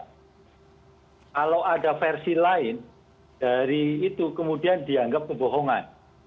kalau ada versi lain dari itu kemudian dianggap kebohongan